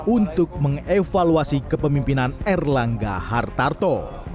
untuk mengevaluasi kepemimpinan erlangga hartarto